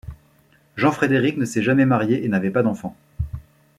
Jean-Frédéric ne s'est jamais marié et n'avait pas d'enfants.